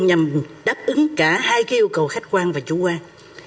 nhằm đáp ứng cả hai yêu cầu khách quan và chủ quan